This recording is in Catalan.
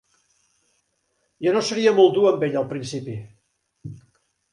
Jo no seria molt dur amb ell al principi.